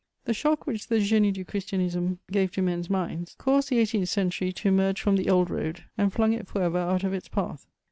The shock which the Génie du Christianisme gave to men's minds caused the eighteenth century to emerge from the old road and flung it for ever out of its path.